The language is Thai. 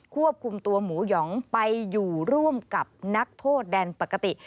ควบคุมตัวหมูหยองไปอยู่ร่วมกับนักโทษแดนปกติ